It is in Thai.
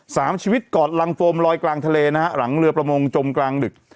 สามชีวิตกอดรังโฟมลอยกลางทะเลนะฮะหลังเรือประมงจมกลางดึก